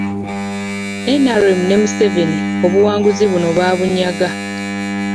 NRM ne Museveni obuwanguzi buno baabunyaga.